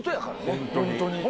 本当に。